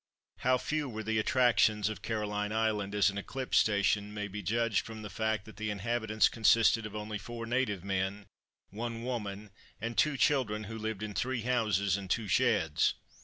How few were the attractions of Caroline Island as an eclipse station may be judged from the fact that the inhabitants consisted of only four native men, one woman, and two children who lived in three houses and two sheds.